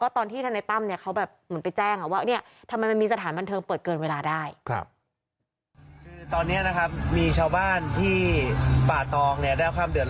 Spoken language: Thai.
ตอนที่ท่านนายต้ำเขาแบบ